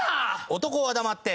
男は黙って。